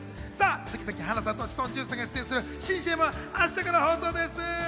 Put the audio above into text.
杉咲花さんと志尊淳さんが出演する新ＣＭは明日から放送です。